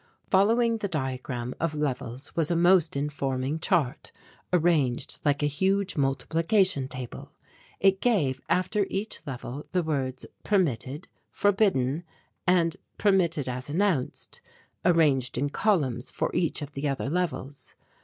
Following the diagram of levels was a most informing chart arranged like a huge multiplication table. It gave after each level the words "permitted," "forbidden," and "permitted as announced," arranged in columns for each of the other levels.